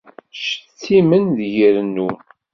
Ttcettimen deg-i rennun.